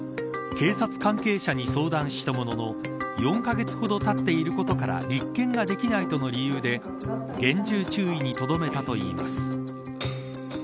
警察関係者に相談したものの４カ月ほどたっていることから立件ができないとの理由で厳重注意にとどめたといいます。